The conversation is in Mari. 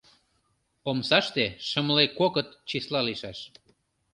— Омсаште шымле кокыт числа лийшаш.